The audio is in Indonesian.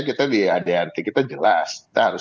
kita di adart kita jelas kita harus